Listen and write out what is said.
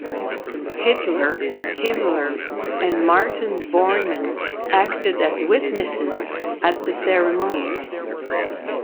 Hitler, Himmler and Martin Bormann acted as witnesses at the ceremony.